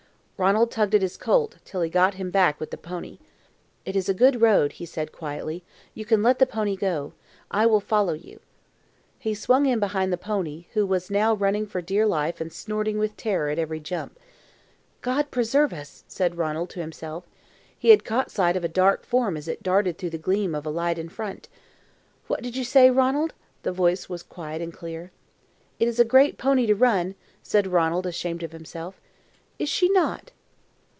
Ranald tugged at his colt till he got him back with the pony. "It is a good road," he said, quietly; "you can let the pony go. I will follow you." He swung in behind the pony, who was now running for dear life and snorting with terror at every jump. "God preserve us!" said Ranald to himself. He had caught sight of a dark form as it darted through the gleam of light in front. "What did you say, Ranald?" The voice was quiet and clear. "It is a great pony to run," said Ranald, ashamed of himself. "Is she not?"